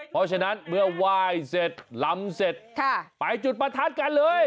เพราะฉะนั้นเมื่อไหว้เสร็จลำเสร็จไปจุดประทัดกันเลย